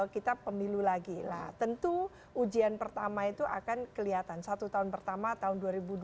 kita pemilu lagi lah tentu ujian pertama itu akan kelihatan satu tahun pertama tahun dua ribu dua puluh